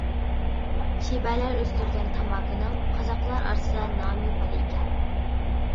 شىبەلەر ئۆستۈرگەن تاماكىنىڭ قازاقلار ئارىسىدا نامى بار ئىكەن.